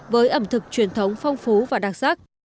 với ẩm thực truyền thống phong phú và đặc sắc